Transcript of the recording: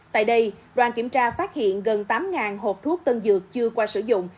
tại đây đoàn kiểm tra phát hiện gần tám hộp thuốc tân dược chưa qua sử dụng